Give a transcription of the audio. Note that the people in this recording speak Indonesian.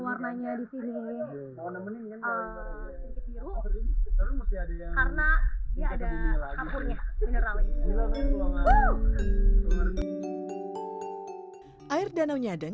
air danau nyadeng berasal dari katanya air nyadeng